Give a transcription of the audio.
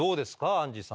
アンジーさん。